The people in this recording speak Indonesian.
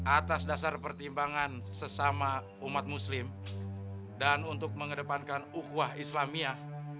atas dasar pertimbangan sesama umat muslim dan untuk mengedepankan ukwah islamiyah